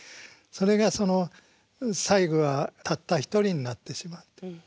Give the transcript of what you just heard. それが最後はたった一人になってしまった。